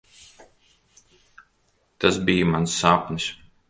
Tas bija mans sapnis.